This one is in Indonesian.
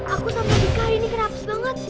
aku sama dika ini kena hapus banget